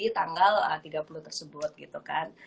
tanggal tiga puluh tersebut gitu kan